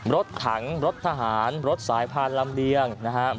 รถถังรถทหารรถสายพานลำเลียงนะครับ